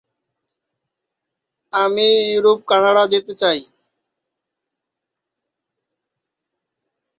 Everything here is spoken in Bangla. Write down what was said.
তাই বিশ্ব ঐতিহ্যবাহী স্থান প্রকল্পের আওতাভুক্ত সকল রাষ্ট্রই প্রতিটি স্থান রক্ষার ব্যাপারে ভূমিকা নিতে পারে।